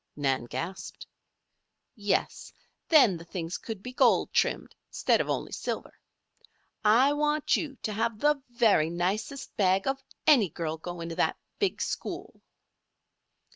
Nan gasped. "Yes. Then the things could be gold trimmed instead of only silver. I want you to have the very nicest bag of any girl going to that big school."